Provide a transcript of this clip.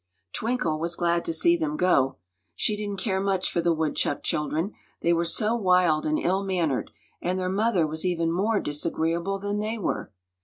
Twinkle was glad to see them go. She didn't care much for the woodchuck children, they were so wild and ill mannered, and their mother was even more disagreeable than they were.